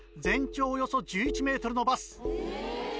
全長およそ１１ｍのバス。